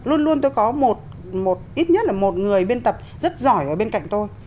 luôn luôn tôi có một ít nhất là một người biên tập rất giỏi ở bên cạnh tôi